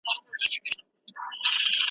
لاروي یې په علاج پوري حیران ول .